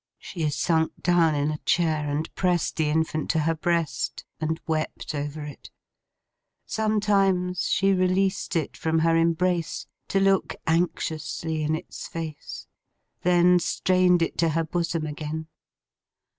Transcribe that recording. She sunk down in a chair, and pressed the infant to her breast, and wept over it. Sometimes, she released it from her embrace, to look anxiously in its face: then strained it to her bosom again.